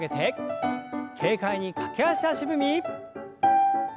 軽快に駆け足足踏み。